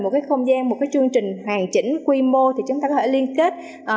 một cái không gian một cái chương trình hoàn chỉnh quy mô thì chúng ta có thể liên kết